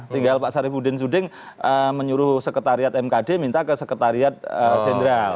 tinggal pak sarifudin suding menyuruh sekretariat mkd minta ke sekretariat jenderal